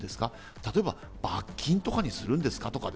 例えば罰金とかにするんですかとか。